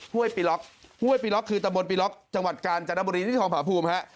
ห้วยปีล็อกห้วยปีล็อกคือตะบนปีล็อกจังหวัดกาญจนบุรีที่ทองผาภูมิฮะ